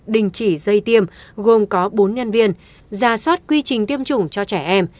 đình chỉ dây tiêm gồm có bốn nhân viên ra soát quy trình tiêm chủng cho trẻ em